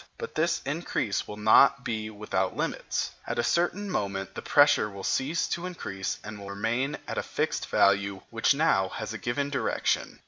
But this increase will not be without limits. At a certain moment the pressure will cease to increase and will remain at a fixed value which now has a given direction.